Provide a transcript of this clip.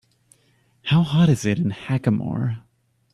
How hot is it in Hackamore